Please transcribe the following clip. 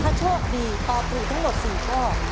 ถ้าโชคดีตอบถูกทั้งหมด๔ข้อ